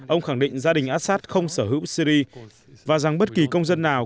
ông khẳng định gia đình assad không sở hữu syri và rằng bất kỳ công dân nào